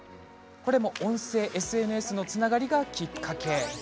音声ＳＮＳのつながりがきっかけ